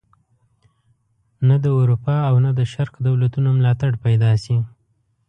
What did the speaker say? نه د اروپا او نه د شرق دولتونو ملاتړ پیدا شي.